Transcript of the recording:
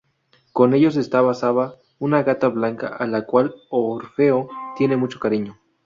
Con ellos está Saba, una gata blanca a la cual Orfeo tiene mucho cariño.